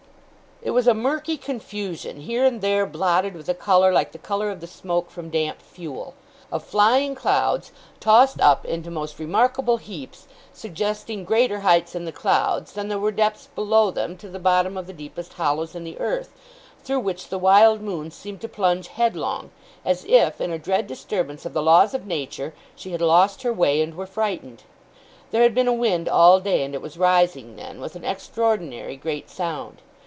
It was a murky confusion here and there blotted with a colour like the colour of the smoke from damp fuel of flying clouds, tossed up into most remarkable heaps, suggesting greater heights in the clouds than there were depths below them to the bottom of the deepest hollows in the earth, through which the wild moon seemed to plunge headlong, as if, in a dread disturbance of the laws of nature, she had lost her way and were frightened. There had been a wind all day; and it was rising then, with an extraordinary great sound.